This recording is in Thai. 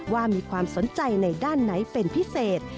ว่ามีความสนใจในด้านไหนเป็นพิเศษ